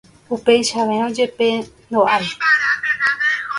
Upeichavérõ jepe ndo'ái.